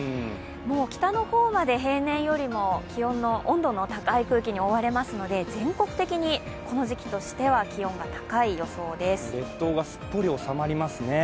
北の方まで平年よりも、温度の高い空気に覆われますので全国的にこの時期としては気温が高い予想です。